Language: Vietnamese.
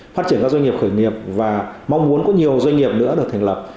phát triển các doanh nghiệp khởi nghiệp và mong muốn có nhiều doanh nghiệp nữa được thành lập